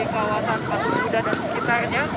kawasan patung kuda dan sekitarnya